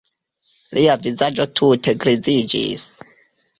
Lia vizaĝo tute griziĝis.